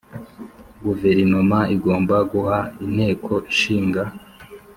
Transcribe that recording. Guverinoma igomba guha Inteko Ishinga